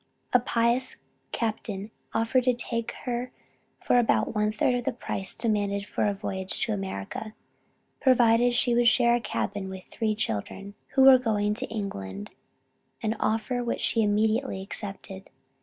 A pious captain offered to take her for about one third of the price demanded for a voyage to America, provided she would share a cabin with three children, who were going to England an offer which she immediately accepted.